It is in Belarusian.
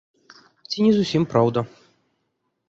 Ці не зусім праўда.